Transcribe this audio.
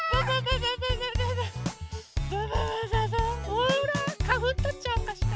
ほらかふんとっちゃおうかしら？